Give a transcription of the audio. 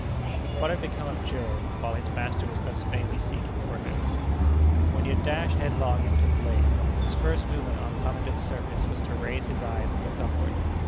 What had become of Joe, while his master was thus vainly seeking for him? When he had dashed headlong into the lake, his first movement on coming to the surface was to raise his eyes and look upward.